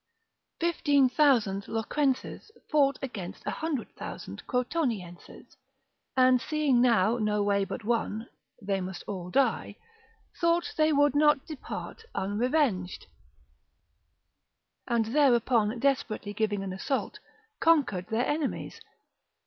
Fifteen thousand Locrenses fought against a hundred thousand Crotonienses, and seeing now no way but one, they must all die, thought they would not depart unrevenged, and thereupon desperately giving an assault, conquered their enemies.